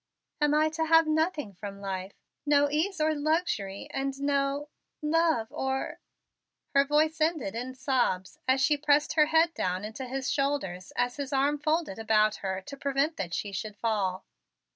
"Am I to have nothing from life no ease or luxury and no love or " Her voice ended in sobs as she pressed her head down into his shoulder as his arm folded about her to prevent that she should fall.